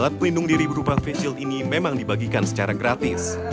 alat pelindung diri berupa face shield ini memang dibagikan secara gratis